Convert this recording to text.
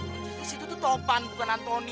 wajibnya sih itu tuh topan bukan antoni